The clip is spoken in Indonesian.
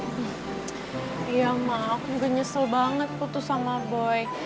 iya mak aku juga nyesel banget putus sama boy